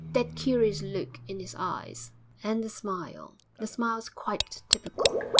That curious look in his eyes, and the smile the smile's quite typical.